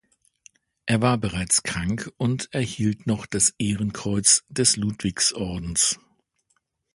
Er war bereits krank und erhielt noch das Ehrenkreuz des Ludwigsordens.